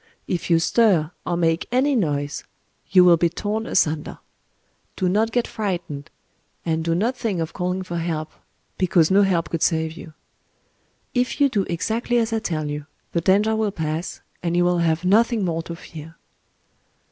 If you stir, or make any noise, you will be torn asunder. Do not get frightened; and do not think of calling for help—because no help could save you. If you do exactly as I tell you, the danger will pass, and you will have nothing more to fear."